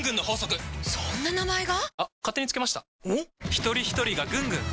ひとりひとりがぐんぐん！